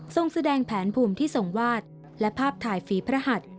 แสดงแผนภูมิที่ทรงวาดและภาพถ่ายฝีพระหัส